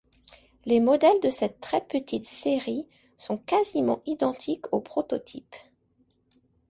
Les modèles de cette très petite série sont quasiment identiques au prototype.